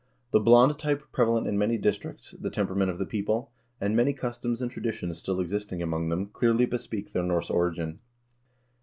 The blond type prevalent in many districts, the temperament of the people, and many customs and traditions still existing among them, clearly bespeak their Norse origin.